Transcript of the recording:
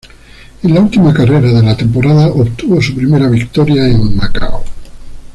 En la última carrera de la temporada obtuvo su primera victoria, en Macao.